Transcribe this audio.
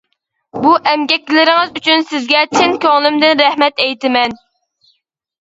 بۇ ئەمگەكلىرىڭىز ئۈچۈن سىزگە چىن كۆڭلۈمدىن رەھمەت ئېيتىمەن.